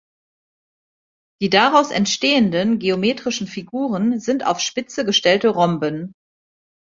Die daraus entstehenden geometrischen Figuren sind auf Spitze gestellte Rhomben.